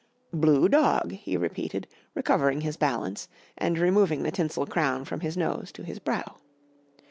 "Blue dog," he repeated, recovering his balance and removing the tinsel crown from his nose to his brow.